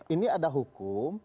ini ada hukum